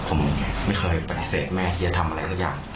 ผมไม่เคยปฏิเสธแม่ที่จะทำอะไรสักอย่าง